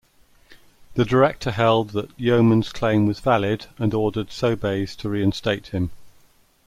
The Director held that Yeoman's claim was valid and ordered Sobeys to reinstate him.